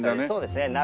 そうですね。